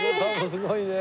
すごいね。